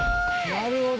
なるほど。